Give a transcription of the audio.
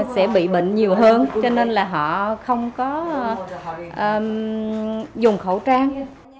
sẽ bị bệnh nhiều hơn cho nên là họ không có dùng khẩu trang